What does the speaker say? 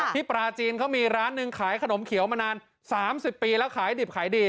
ปลาจีนเขามีร้านหนึ่งขายขนมเขียวมานาน๓๐ปีแล้วขายดิบขายดี